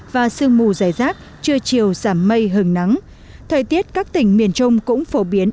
và sương mù dày rác trưa chiều giảm mây hứng nắng thời tiết các tỉnh miền trung cũng phổ biến